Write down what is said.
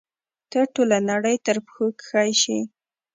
ته ټوله نړۍ تر پښو کښی شي